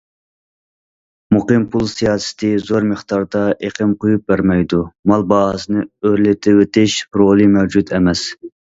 مۇقىم پۇل سىياسىتى زور مىقداردا ئېقىم قويۇپ بەرمەيدۇ، مال باھاسىنى ئۆرلىتىۋېتىش رولى مەۋجۇت ئەمەس.